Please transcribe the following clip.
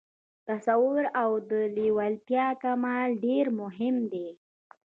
تصور او د لېوالتیا کمال ډېر مهم دي